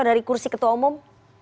dari kursi ketua umum